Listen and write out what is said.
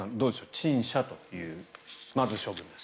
陳謝という、まず処分です。